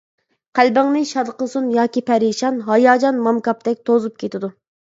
قەلبىڭنى شاد قىلسۇن ياكى پەرىشان، ھاياجان مامكاپتەك توزۇپ كېتىدۇ.